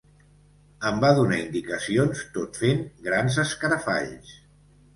Em va donar indicacions tot fent grans escarafalls.